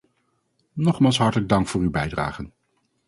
Nogmaals hartelijk dank voor uw bijdragen.